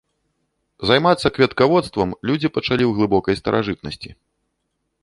Займацца кветкаводствам людзі пачалі в глыбокай старажытнасці.